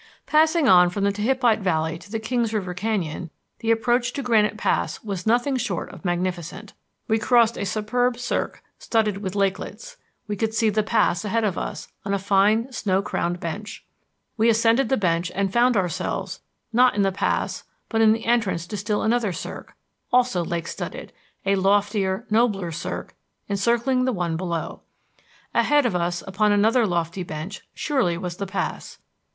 Passing on from the Tehipite Valley to the Kings River Canyon, the approach to Granite Pass was nothing short of magnificent. We crossed a superb cirque studded with lakelets; we could see the pass ahead of us on a fine snow crowned bench. We ascended the bench and found ourselves, not in the pass, but in the entrance to still another cirque, also lake studded, a loftier, nobler cirque encircling the one below. Ahead of us upon another lofty bench surely was the pass.